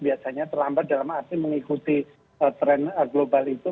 biasanya terlambat dalam arti mengikuti tren global itu